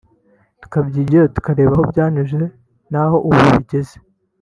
tukabyigiraho tukareba aho byanyuze naho ubu bageze